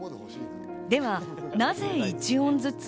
ではなぜ１音ずつ？